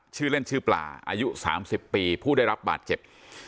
ชื่อเล่นชื่อปลาอายุ๓๐ปีผู้ได้รับบาดเจ็บ